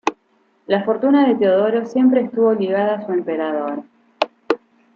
La fortuna de Teodoro siempre estuvo ligada a su emperador.